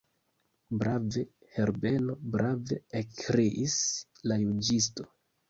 Brave, Herbeno, brave, ekkriis la juĝisto.